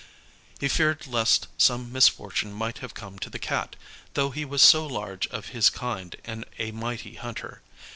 He feared lest some misfortune might have come to the Cat, though he was so large of his kind, and a mighty hunter.